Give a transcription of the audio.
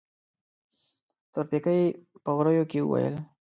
تورپيکۍ په غريو کې وويل.